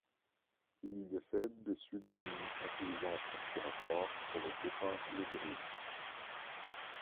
Il y décède des suites d'une insuffisance respiratoire provoquée par le virus.